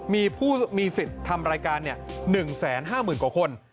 มีผู้มีสิทธิ์ทำรายการ๑แสนห้าหมื่นกว่าคน